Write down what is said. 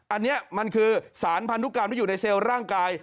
อันนี้มันคือสารพันธุกรรมที่อยู่ในเซลล์ร่างกาย